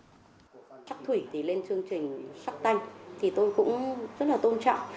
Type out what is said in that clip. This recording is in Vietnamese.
shark thủy thì lên chương trình shark tank thì tôi cũng rất là tôn trọng